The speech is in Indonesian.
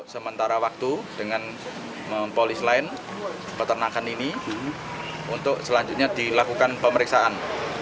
sementara waktu dengan mempolis lain peternakan ini untuk selanjutnya dilakukan pemeriksaan